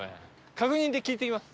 確認で聞いてきます。